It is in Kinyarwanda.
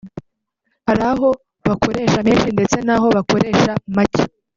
hari aho bakoresha menshi ndetse n’aho bakoresha macye